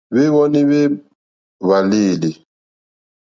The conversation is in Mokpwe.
Hwéwónì hwé hwàlêlì.